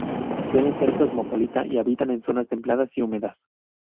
Suelen ser cosmopolita y habitan en zonas templadas y húmedas.